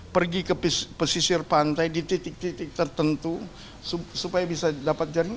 pergi ke pesisir pantai di titik titik tertentu supaya bisa dapat januari